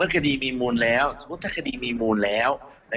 สมมุติถ้าคดีมีมูลแล้ว